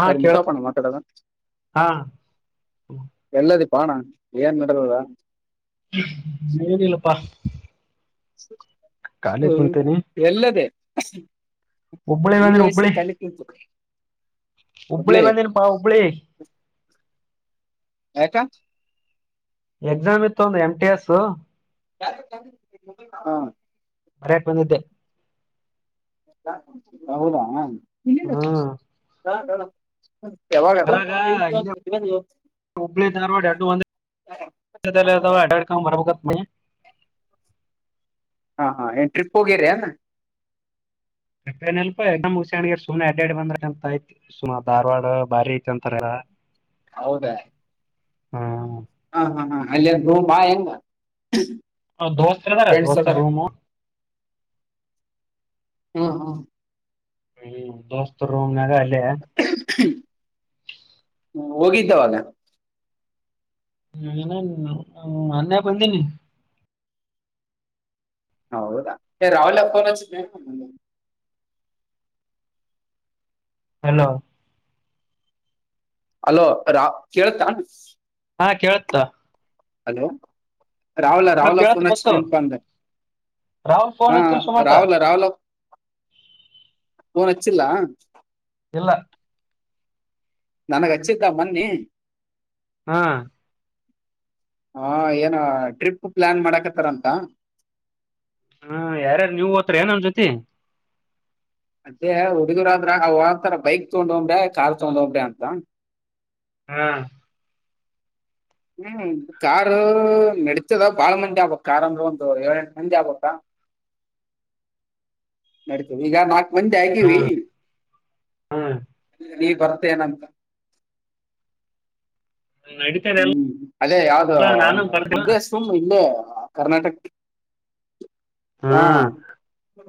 ಹಾ ಯಾರ್ ಕೇಳ್ತ ಮುತ್ತಪ್ಪನ ಮಾತಾಡದೊ. ಹಾ ಎಲ್ಲದಿ ಬಾ ಅಣ್ಣ ಏನ್ ನೆಡ್ದದ. ಮುಗಿದಿಲ್ಲಪ್ಪಾ. ಹ್ಮ ಕುಂತೇನಿ ಎಲ್ಲದೆೇ ಹುಬ್ಬಳಿ ಈ ಬಂದಿನ ಹುಬ್ಬಳಿ ವಯ್ಸಸಿಗೆ ಇ [unintelligible] ಹುಬ್ಬಳಿ ಬಂದಿನಪ್ಪ ಹುಬ್ಳಿ. ಯಾಕ ಎಕ್ಸಾಮ್ ಇತ್ತು ಒಂದ್ ಎಂ ಟಿ ಎಸ್. ಹಾ ಬರಿಯಕ್ ಬಂದಿದ್ದೆ. ಹೌದಾ ಹ್ಮ್ ಯಾವಾಗ [unintelligible] ಹುಬ್ಳಿ ಧಾರ್ವಾಡ್ ಎರಡು ಒಂದೇ ಅಡ್ಡಾಡ್ಕೊಂಡ್ ಬರ್ಬೇಕು [unintelligible] ಹಾ ಹಾ ಏನ್ ಟ್ರಿಪ್ ಹೋಗಿರೇನ. ಹಂಗೇನಿಲ್ಪ ಎಕ್ಸಾಮ್ ಮುಗುಸ್ಕೊಂಡ್ ಅಂಗೆ ಸುಮ್ಮನೆ ಅಡ್ಡಾಡಿ ಬಂದ್ರೆ ಅಂತ ಆಯ್ತು. ಸುಮ ಧಾರವಾಡ ಬಾರಿ ಐತಿ ಅಂತಾರೆಲ್ಲ. ಹೌದ ಹ್ಮ ಹಾ ಹಾ ಹಾ ಅಲ್ಲಿಂದೂ ಬಾ ಹೆಂಗ. ದೋಸ್ತ ಇದಾರ ಫ್ರೆಂಡ್ಸ್ ದೋಸ್ತರ್ ಅದಾರ ರೂಮು. ಹ್ಮ ಹಾ ಹ್ಮ್ ದೋಸ್ತ್ ರೂಮ್ನಾಗ ಅಲ್ಲೇ. [inaudible] ಹೋಗಿದ್ದಾ ಅವನು [unintelligible] ಅನ್ಯ ಬಂದೀನಿ ಹೌದಾ ರಾಹುಲ [unintelligible] ಹಲ್ಲೋ ಹಲೋ ರಾ ಕೇಳತಾ ಹಾ ಕೇಳುತ್ ಹಲೋ ರಾಹುಲ ರಾಹುಲ್ ಗೆ ಕೇಳತ್ತ ಫೋನ್ ಹಚ್ಚ ಬಸ್ಸು ದೆಅನಪ್ ಅಂದೆ ರಾಹುಲ್ ಫೋನ್ ಹೂ ಹಚ್ಚಿಲ್ ಸುಮಂತ ರಾಹುಲ್ ರಾಹುಲ್ ಫೋನ್ ಹಚ್ಚಿಲ್ಲಾ ಇಲ್ಲಾ ನನಗ ಹಚ್ಚಿದ್ದ ಮೋನ್ನಿ ಹಾ ಹಾ ಏನ ಟ್ರಿಪ್ ಪ್ಲಾನ್ ಮಾಡಾಕತ್ತಾರಂತಾ ಹುಂ ಯಾರಯಾರ ನೀವು ಹೋತಿರಿ ಏನ್ ಅವನ ಜೊತಿ ಅದೇ ಹುಡಗರ ಆದ್ರಂತರ ಬೈಕ್ ತಗೊಂಡ್ ಹೋಗಂಬೆ ಕಾರ್ ತೊಗೊಂಡ ಹೋಗ್ ಅಂತಾ ಹಾ ಹುಂ ಕಾರು ನಡತದ ಬಾಳ ಮಂದಿ ಆಗ್ಬಬೇಕ್ ಕಾರ್ ಅಂದ್ರ ಒಂದು ಏಳ ಎಂಟು ಮಂದಿ ಆಗಬೇಕಾ [unintelligible] ನಡತೇದ ಈಗ ನಾಕ್ ಮಂದಿ ಹಾ ಆಗಿವಿ ಹಾ ನೀ ಬರತೀಎನಂತ ನಡೀತದೆ ಹುಂ ಅದೇ ಯಾವ್ದ ಎಲ್ಲ ನಾನು ಬರ್ತೀನಿ ವಿದೇಶ [unintelligible] ಇಲ್ಲೇ ಕರ್ನಾಟಕ್ ಹಾ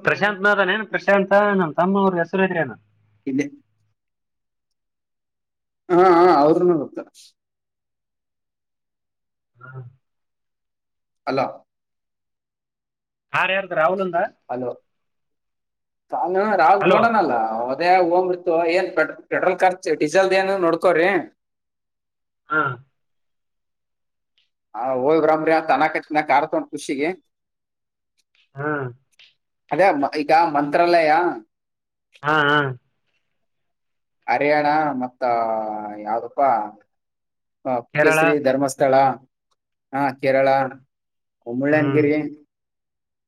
ಪ್ರಶಾಂತನು ಅದಾಎನ್ ಪ್ರಶಾಂತ ನಮ್ ತಮ್ಮ ಅವ್ರ ಹೆಸರು ಎನ ಇದೇ ಹಾ ಹಾ ಅವ್ರನ ಬರ್ತಾರ್ ಹಾ ಹಲೋ ಹಾ ಹೇಳ್ರಿ ಸರ್ ರಾಹುಲ ದಾ ಹಲೋ ರಾಹುಲ ಹಲೋ ತಗೊಂಡಾನಲ್ಲಾ ಅವತ್ತ ಅದೇ ಓಗೋನಂತ ಪೆಟ್ರೋಲ್ ಖರ್ಚ್ ಡೀಸೆಲ್ ಏನ್ ಅದ ನೋಡ್ಕೋರಿ ಹ ಹ ಹೋಗಿ ಬರೋಬ್ರಿ ಅಂತ ಅನಾಕತ್ತನರಿ ಕಾರ ತಗೊಂಡ ಖುಷಿಗೆ ಹುಂ ಅದೇ ಈಗ ಮಂತ್ರಾಲಯಾ ಹಾ ಹಾ ಹರಿ ಅಣ್ಣಾ ಮತ್ತ ಯಾವ್ದಪ್ಪಾ ಹ ಕೇರಳ ಕೇಸರಿ ಧರ್ಮಸ್ಥಳಾ ಹಾ ಕೇರಳಾ ಮುಳ್ಳಯ್ಯನಗಿರಿ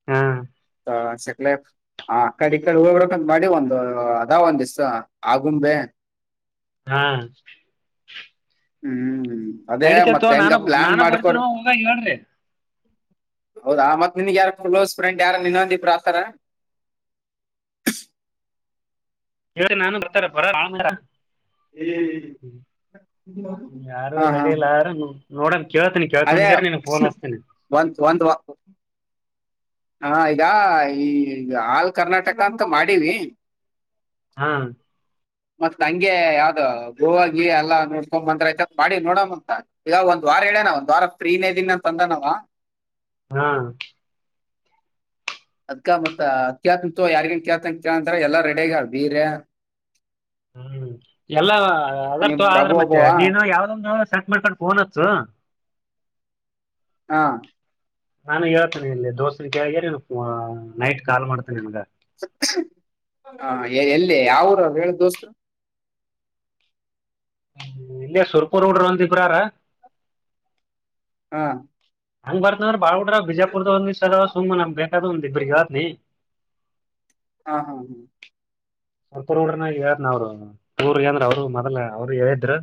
ಹುಂ [unintelligible] ಹ ಕಡೆ ಈಡೆ ಹೋಗಿಬರಬೇಕಂತ ಮಾಡಿವಿ ಒಂದು ಅದಾವ ಒಂದ್ ಇಸ್ ಆಗುಂಬೆ ಹಾ ಹು ಅದೇ ನಡೀತೈತೋ ಮತ್ತೆ ಹೆಂಗ ನಾನು ಪ್ಲಾನ್ ನಾನು ಬರ್ತೀನೋ ಮಾಡ್ಕೊಂಡ್ರೆ ಹೋಗ ಹೇಳ್ರಿ ಹೌದಾ ಮತ್ ನಿನ್ಗ್ ಯಾರ ಕ್ಲೋಸ್ ಫ್ರೆಂಡ್ ಯಾರ ಇನ್ನೊಂದ ಇಬ್ಬರು ಆಗತಾರಾ ನಾನು [unintelligible] ಹ ಯಾರು ಹಾ ಹಾ ರೆಡಿ ಇಲ್ಲ ಯಾರು ನೋಡಣಂ ಕೇಳ್ತೀನಿ ಕೇಳಕೋಂಡ ಜರಾ ನಾನು ಫೋನ ಹಸ್ತಿನಿ ಒಂದು ಒಂದು ವ ಹಾ ಈಗ ಈ ಆಲ್ ಕರ್ನಾಟಕ ಅಂತ ಮಾಡೀವಿ ಹಾ ಮತ್ತ್ ನಂಗೆ ಯಾವ್ದ ಗೋವ ಗೀ ಎಲ್ಲಾ ನೋಡ್ಕೊಂಡ್ ಬಂದ್ರ ಆಯ್ತ ಅಂತ ಮಾಡಿ ನೋಡಂಮ್ ಅಂತ ಈಗ ಒಂದ್ ವಾರ ಹೇಳೇನಾ ಒಂದ್ ವಾರ ಫ್ರೀನೇ ಇದೀನಿ ಅಂತ ಬಂದನ ಅವ ಹಾ ಅದ್ಕ ಮತ್ತ ಅತ್ಯತ ಯಾರಿಗ ಅಂತ್ಯತಅಂತಾರ ಎಲ್ಲಾ ರೆಡಿ ಆಗ ಬೀರೆ ಹ್ಮ್ ಎಲ್ಲ ಅದರ ನಿಮ್ ತು ಪ್ರಭು ಆದ್ರೆ ಮತ್ತೆ ಒಬ್ಬವ ನೀನು ಯಾವ್ದೊಂದು ಸೆಟ್ ಮಾಡ್ಕೊಂಡು ಬೋನಸ್ ಹಾ ನಾನು ಹೇಳ್ತೇನೆ ಇಲ್ಲಿ ದೋಸೆ ಕಗ್ಯನು [inaudible] ನೈಟ್ ಕಾಲ್ ಮಾಡ್ತೇನೆಿ ನನ್ಗ ಅ ಎಲ್ಲಿ ಯಾವ ಊರು ಹೇಳ ದೋಸ್ರು ಇಲ್ಲೇ ಸುರ್ಪುರ್ ಹುಡ್ರು ಒಂದಇಬ್ರಅವ್ರ ಹಾ ಹಂಗ್ ಬರ್ತಂದ್ರ ಬಾಳ ಬಿಡ್ರ ಬಿಜಾಪುದ ಒಂದ್ಸ ಸುಮನಾ ಬೇಕಾದ ಒಂದ್ ಇಬ್ರಿಗೆ ಏಳತೀನಿ ಹಾ ಹಾ ಹಾ... ಸ್ವಲ್ಪ ಹೋಡನ ಹೇಳನ ಅವ್ರು ಊರು ಅವ್ರು ಮೊದಲ ಅವ್ರು ಹೇಳಿದ್ರರು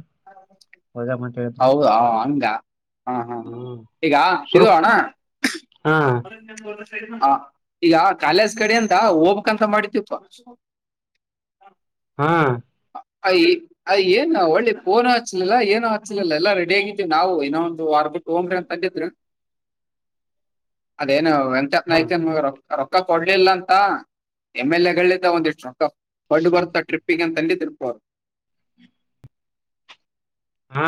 ಹೌದಾ ಹಂಗ ಹಾ ಹಾ ಹಾ ಹ್ಮ್ ಈಗ ಸುರು ಇದು ಅಣ್ಣ ಹಾ ಹ ಈಗ ಕಾಲೇಜ್ ಕಡೆ ಅಂತ ಹೋಗ್ಕ್ಂತ ಮಾಡತಿಪ್ಪಾ ಹಾ ಹಾ [inaudible] ಅ ಏನ್ ಒಳ್ಳೆ ಫೋನು ಹಚ್ಚಿಲ್ಲ ಏನು ಹಚ್ಚಿಲಿಲ್ಲ ಎಲ್ಲಾ ರೆಡಿ ಆಗಿದೇವಿ ನಾವು ಇನ್ನೊ ಒಂದು ವರ್ಬಟ್ಟ ್ರ ಅಂತ ಅಂತಿದರು ಅದೇನು ಹಾ ಎಂತಪ್ಪನಐ್ತನ್ ಮಗರು [unintelligible] ರೊಕ್ಕ ಕೊಡ್ಲಿಲ್ಲ ಅಂತ ಎಮ್ ಎಲ್ ಎ ಗಳ ಒಂದಿಷ್ಟು ರೊಕ್ಕ ಫಡ್ ಬರ್ತ ಟ್ರಿಪ್ಪಿಗೆ ಅಂತಂದಿದ್ದ ತಿರ್ಪ ಹಾ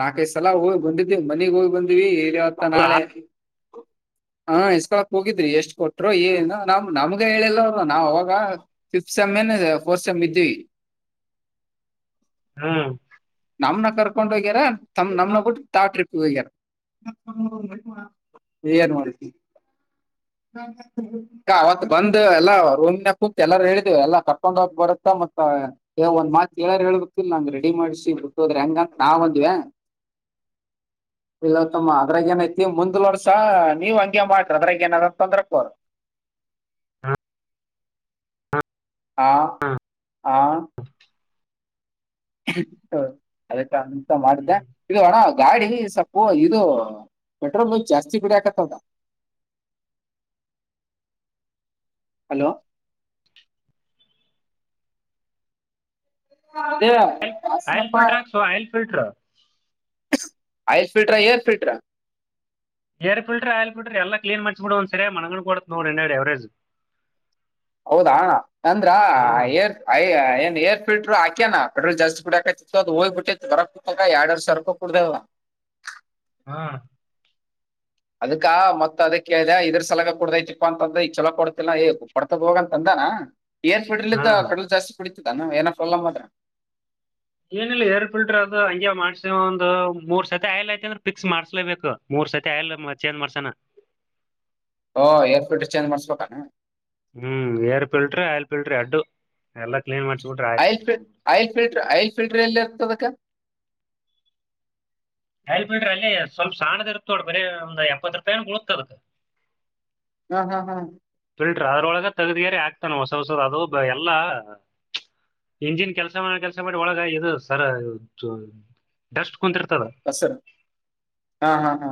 ನಾಲ್ಕೈ ಸಲ ಹೋಗಿ ಬಂದಿದ್ವಿ ಮನಿಗ್ ಹೋಗಿ ಬಂದ್ವಿ ಇವತ್ತ ಹೌದಾ ನಾಳೆ ಹಾ ಇಸ್ಕೊಳಕ್ ಹೋಗಿದ್ರಿ ಎಷ್ಟ್ ಕೊಟ್ರು ಏನು ನಾವ್ ನಮ್ಗ ಹೇಳಿಲ್ಲ ನಾವ್ ಅವಾಗ ಪಿಫ್ತ್ ಸೆಮ್ ಏನ್ ಫೋರ್ತ್ ಸೆಮ್ ಇದ್ವಿ [unintelligible] ಹ್ಮ ನಮ್ನ ಕರ್ಕೊಂಡ್ ಹೋಗ್ಯಾರ ತಮ ನಮ್ನ ಬಿಟ್ಟ ತಾ ಟ್ರಿಪ್ ಹೋಗ್ಯಾರ ಏ ಏನ್ ಮಾಡ್ತ [unintelligible] ಹ್ಮ ಹ್ಮ [inaudible] ಅವತ್ ಬಂದ ಎಲ್ಲಾ ರೂಮ್ನ ಕುಂತ್ ಎಲ್ಲಾರು ಹೇಳಿದೇವಿ ಎಲ್ಲ ಕಕೊಂಡ್ ಬರುತ್ತ ಮತ್ತ ಒಂದ್ ಮಾತ್ ಹೇಳೇಳಾರ ಹೇಲ್ ಬೇಕು ಇಲ್ ನಂಗ್ ರೆಡಿ ಮಾಡ್ಸಿ ಬಿಟ್ಟೋದ್ರೆ ಹೆಂಗಂತ ನಾವ್ ಅಂದ್ವಿ ಇಲ್ಲತ್ತಮ್ಮ ಅದ್ರಾಗ ಏನ ಐತಿ ಮುಂದ್ ವರ್ಷ ನೀವ್ ಹಂಗೆ ಮಾಡ್ರಿ ಅದ್ರಾಗ ಏನಾದಾರ ಚಂದ್ರಪೂರ್ [unintelligible] ಆ ಆ ಹಾ [inaudible] ಹ ಅದಕ ಮಾಡಿದ್ದೆ ಹ್ಮ್ ಇದು ಅಣ್ಣ ಗಾಡಿ ಸಪ್ಪು ಇದು ಪೆಟ್ರೋಲ್ ಬೆಲ್ ಜಾಸ್ತಿ ಬಿಡ ಆಕತ್ತದ ಹಲೋ ಹ ಬೇ [inaudible] ಅಯ್ಲ್ ಆಯಲ್ ಫಿಲ್ಟರ್ ಆಕ್ಸೋ oil filter ice filter air filter. Air filter oil filter ಎಲ್ಲ ಕ್ಲೀನ್ ಮಾಡಿಸಬಿಡ್ ಒಂದ ಸರಿ ಮಣಂಗ್ ಕೊಡ ನೋಡ ಹಿಂದಗಡೆ ಎವರೆಜ್. ಹೌದಾ ತಂದ್ರಾ. ಅಯ್ಯ ಏನ್ ಏರ ಫಿಲ್ಟರ್ ಹಾಕ್ಯನಾ ಪೆಟ್ರೋಲ್ ಜಾಸ್ತಿ ಕುಡಕತಿತ್ತು ಅದು ಹೋಗ್ಬ ಬಿಟ್ಟಿತ ಬರಕಟ್ಟತಾಗ ಎರಡ್ ಸಾವಿರ ರಕ ಕುಡ್ದೆದ. ಹಾ. ಅದಕ್ಕಾ ಮತ್ ಅದಕ್ಕೆ ಕೇಳ್ದ ಇದ್ರ ಸಲಗ ಕುಡ್ದೈತಿಪ್ಪ ಅಂತ ಅಂದ ಈಗ ಚಲೋ ಕೊಡ್ತಿಲ್ಲ ಏ ಕೋಡ್ತದ ಹೋಗ ಅಂತ ಅಂದಾನ. ಏರ ಫಿಲ್ಟರನಿಂದ ಪೆಟ್ರೋಲ ಜಾಸ್ತಿ ಕುಡಿತದ ಏನ ಏನ ಪ್ರಾಂಬ್ಲಮ ಆದ್ರ. ಏನಿಲ್ಲ ಏರ್ ಫಿಲ್ಟರ್ ಅದು ಹಂಗೆ ಮಾಡ್ಸ ಒಂದು ಮೂರ್ ಸತಿ ಆಯ್ಲ ಆಯತ ಅಂದ್ರೆ ಪಿಕ್ಸ್ ಮಾಡಸ್ಲೆಬೇಕು. ಮೂರ್ ಸತಿ ಆಅಲ್ ಮತ್ ಚೇಂಜ್ ಮಾಡ್ಸೋಣ. ಹ ಏರ್ ಫೀಲ್ಟರ್ ಚೇಂಜ್ ಮಾಡ್ಸ್ಬೇಕೆನ. ಹ್ಮ್ ಏರ್ ಪಿಲ್ಟ್ರ ಆಲ್ಫ ಫಿಲ್ಟ್ರಿ ಅಡ್ಡು ಎಲ್ಲ ಕ್ಲೀನ್ ಮಾಡ್ಸಿ ಬಿಟ್ರ ಆಯ್ತ. ಆಯಲ್ ಫಿಲ್ಟರ್ ಆಐಲ್ ಫಿಲ್ಟರ್ ಎಲ್ಲಿ ಇರ್ತದ ಅದಕ್ಕ. ಅಯಿಲ್ ಫೀಲ್ಟರ್ ಅಲ್ಲಿ ಸ್ವಲ್ಪ ಸಣ್ಣದ ಇರತ್ತ ನೋಡ ಬರೀ ಒಂದ ಎಪ್ಪತ್ ರೂಪಾಯಿ ಉಳುತದಕ್. ಹಾ ಹಾ ಹಾ. ಫಿಲ್ಟರ್ ಅದ್ರೊಳಗೆ ತೆಗ್ದಗರಿ ಹಾಕ್ತಾನ ಹೊಸ ಹೊಸದ್ ಅದು ಎಲ್ಲ. ಇಂಜಿನ್ ಕೆಲಸ ಮಾಡ ಕೆಲ್ಸ ಮಾಡಿ ಒಳಗ ಇ ಸರ್ ಡಸ್ಟ್ ಕುಂತಿರ್ತದ. ಹಸರು ಹಾ ಹಾ ಹಾ.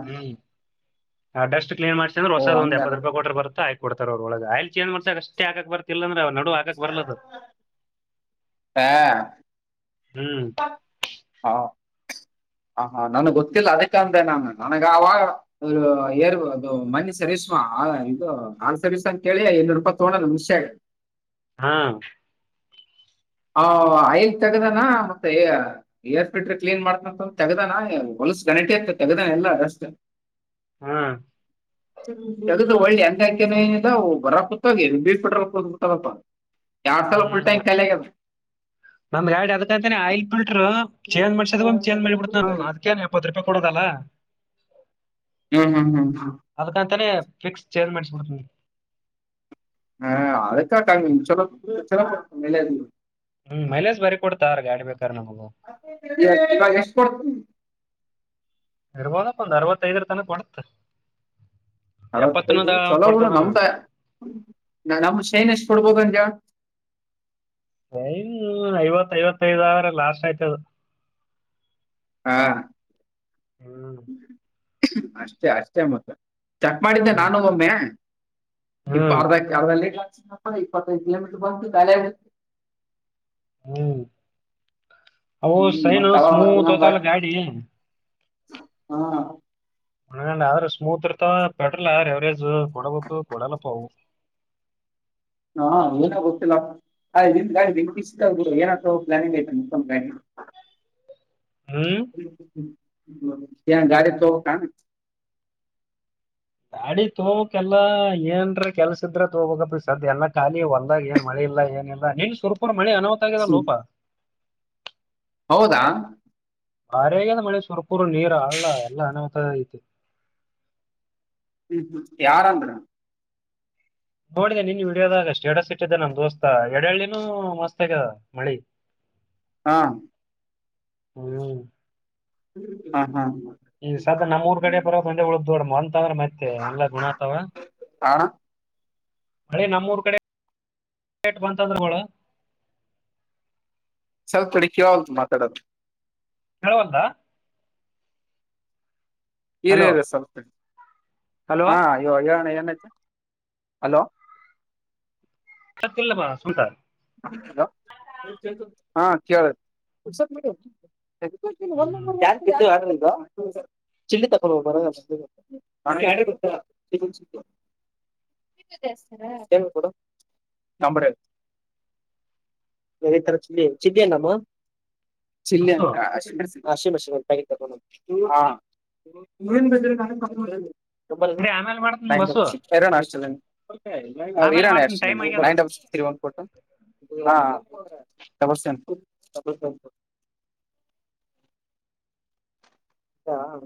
ಆ ಡಸ್ಟ್ ಕ್ಲಿನ್ ಮಾಡ್ಸ್ರ ಓ ಹೊಸದ ಹಂಗಾದ ಎಪ್ಪತ್ತು ರೂಪಾಯ ಕೊಟ್ರ ಬರುತ ಆಯಿಲ್. ಕೊಡ್ತಾರ ಅವ್ರ ಒಳಗಯ ಆಯಿಲ್ ಚೆಂಜ್ ಬಡಸಕ್ಕೆ ಆಷ್ಟ ಆಕಕ್ ಬರ್ತಿಲ್ಲ ಅ್ರ ಅವ ನಡ. ಹಾ. ಹ್ಮ್. ಹಾ ಹ ಹಾ ನನ್ಗ್ ಗೊತ್ತಿಲ್ಲ ಅದಕ್ಕ ಅಂದೆ ನಾನು ನನಗಾವಾಗ. ಅರು ಯಏರ್ ಅದು ಮನೆ ಸರಿಸ್ವಾ ಇದು ಆರು ಸರ್ವಿಸ ಅಂತ ಕೇಳಿ ಇನ್ನೂ ರೂಪಾಯಿ ತಗೊಂಡಣ ಮುಷ್ಯ. ಹಾ. ಆ ಐದ ತೆಗದಾನ ಮತ್ತೆ. ಏರ್ ಫಿಟ್ರರ್ ಕ್ಲೀನ್ ಮಾಡ್ತನ ತೆಗ್ದಾನ ಹೊಲ್ಸ ಗಂಟೆ ಇ ತೆಗ್ದಾನ ಎಲ್ಲ ಅಷ್ಟಟ್. ಹ್ಮ. [inaudible] ತಗದ ಒಳ್ಳೆ ಹೆಂಗ ಹಾಕ್ಯಾನ್ ಏನ್ ಇಲ್ಲ ಬರ ಕೂತ್ಗ ಬೀ ಪಟ್ರ ಕೂತ್ತದಪ್ಪ. ಎರಡ ಸಲ ಫುಲ್ ಟ್ಯಾಂಕ್ ಖಾಲಿ ಆಗೆದ. ನನ್ನ ಗಾಡಿ ಅದ್ಕ ಅಂತೆನಿ ಆಯಲ್ ಫಿಲ್ಟರ್ ಹ್ಮ್ ಚೇಂಜ್ ಮಾಡಸ ಚೇಂಜ್ ಮಾಡಿ ಬಿಡ್ತಾರ್ ಅವ್ರು ಅದಕೆ. ಇಪ್ಪತ್ತು ರೂಪಾಯಿ ಕೊಡೋದಲ್ಲಾ. ಹ್ಮ್ ಹ್ಮ್ ಹ್ಮ್ ಹ್ಮ್. ಅದಕ್ಕಂತನೆ ಫಿಕ್ಸ್ ಚೈನ್ ಮಾಡಿಸಿ ಬಿಡ್ತೀನಿ. ಹ ಅದಕ್ಕ. [unintelligible] ಹ್ಮ್ ಮೈಲೇಜ್ ಬಾರಿ ಕೊಡ್ತಾರ ಗಾಡಿ ಬೇಕಾರೆ ನಮಗ. ಇವಾಗ ಎಷ್ಟ ಕೊಡ್ತ. ಇರ್ಬೋದ ಅಪ್ಪ ಒಂದು ಅರ್ವತ್ತೈಐದರ ತನಕ ಕೊಡುತ್ತೆ. ಅರವತ್ತೈದು ಎಪ್ಪತ್ತನ ಚಲೋ ಬಿಡು ಕೊಡ್ತದ ನಮ್ ನನಗೆ ನಮ್ದ ಸೈನ್ ಎಷ್ಟ ಕೊಡ್ಬೋದಂದ. ಶೈನ್ ಐವತ್ ಐವತ್ತೈದಾವ್ರ ಲಾಸ್ಟ್ ಆಯ್ತದ. ಹಾ ಹ್ಮ್ ಅಷ್ಟೇ ಅಷ್ಟೇ ಮತ್ತ. ಚಕ್ ಮಾಡಿದ್ದೆ ಹ್ಮ್ ನಾನು ಒಮ್ಮೆ ಇಪ್ಪ ಹ್ಮ್ ಅರ್ಧ. ಅರ್ದ ಲೀಟರ್ ಹಾಕಿಸಿ ಇಪ್ಪತ್ತೈದು ಕಿಲೋಮೀಟರ್ ಬಂತು ಖಾಲಿ ಆಗಿ. ಹ್ಮ್ ಅವು ಹ್ಮ್ ಸೈನ್ ಮತ್ತೆ ಅವಾಗ ಮತ್ತೆ ಸ್ಮೂತ್ ಇನ್ನೊಂದ್ ಹೊತಲ್ಲ ಬಾಟ್ ಗಾಡಿ. ಹಾ. ಆದ್ರೂ ಸ್ಮೂತ್ ಇರ್ತವ ಪೆಟ್ರೋಲ್ ಯಾರವರೇಜ್ ಕೊಡಬೇಕು ಕೊಡಲ್ಲಪ್ಪವು.. ಹಾ ಏನ ಗೊತ್ತಿಲ್ಲಪ್... ಗಾಡಿ ನಿನ್ ಇ ಏನ್ ಪ್ಲಾನಿಂಗ್ ಐತ್. ಹ್ಮ್ ಗಾಡಿ ತೋಗ ಬೇಕ. ಗಾಡಿ ತೋಗಕ್ಕೆಲ್ಲಾ ಏನ್ರ ಕೆಲ್ಸ ಇದ್ರ ತಗಬೇಕಪ್ಪ ಸದ ಎಲ್ಲ ಖಾಲಿ ಒಂದಾಗ ಏನ್ ಮಳೆ ಇಲ್ಲ ಏನ ಇಲ್ಲ.. ನಿನ್ ಸ್ವಪೂರ ಮಳಿ ಅನಾಹತ ಆಗದಲ್ಲ ಲೋಪ. ಹೌದಾ. ಬಾರಿ ಆಗದ್ ಮಳೆ ಸುರ್ಕುರು ನೀರ್ ಅಲ್ಲಾ ಎಲ್ಲ ಅನಾವುತ ಐತಿ. ಹ್ಮ್ ಹ್ಮ್ ಯಾರ ಅಂದ್ರ. ನೋಡಿದೆ ನೀನ್ ವಿಡಿಯೋದಾಗ ಸೇಟಸ್ ಇಟ್ಟಿದ್ದೆ ನಮ್ಮ ದೋಸ್ತ ಎಡಳ್ಳಿನೂ ಮಸ್ತ್ ಆಗಿದೆ ಮಳಿ. ಹಾ....... ಹ್ಮ್ ಹಾ ಹಾ ಹ. ಈ ಸದ ನಮ್ಊರ್ ಕಡೆ ಬರೋ ಒಂದೆಳದ ದೊಡ ಅಂತಂದ್ರೆತ್ತ. ತ್ತ ಅಲ್ಲ ಗುಣಾ ಅವಾ. ಅಣ್ಣ ಮಳೆ ನಮ್ಮೂರ್ ಕಡೆಟ್ ಬಂತಂದ್ರ ಮಳ. ಸ್ವಲ್ಪ ತಡಿ ಕೆಲವಳೂದು ಮಾತಾಡೋದು. ಕೆಲವಲದಾ. ಇರು ಹಲೋ ಇರು ಸ್ವಲ್ಪ್ ಹಲೋ ಹಾ ಹೇಳೋಣ ಏನೈತೆ..... ಹಲೋ. ಯಾಕೆ ಇಲ್ಲ [unintelligible] ಹ ಕೇಳು [unintelligible] [unintelligible] ಹ್ಮ್ ನಿಂದು ಚಿಲ್ಲಿ [unintelligible] [unintelligible] ಈ ತರ ಚಿಲಿ ಚಿಲ್ಲಿ ಅಲ್ಲಮ್ಮ ಚ. ಬಸ್ಸು [unintelligible] ಚಿಪ್ಸ್ ಒನ್ ಪ್ಯಾಕೆಟ್ ಹ. ತುಂಬ ಸರಿ ಆಮೇಲೆ ಮಾಡ್ತೀನಿ ಬಸ್ಸು [unintelligible] ಆಮೇಲೆ ಇರಾಣ ಅಸ್ ಇರಾಣಿ ಮಾಡ್ತೀನಿ ಟೈಮ್ ಅ ಆಗ್ಯದ ನೈನ್ ಡಬಲ್ ತ್ರಿಒನ್ ಪೊರ್. ಹಾ. [inaudible] ಹೌದಾ